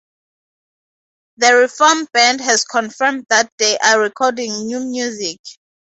The reformed band has confirmed that they are recording new music.